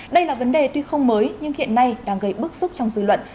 đây là vấn đề tuy không mới nhưng hiện nay đang gây bức xúc trong dư luận